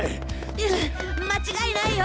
うん間違いないよ。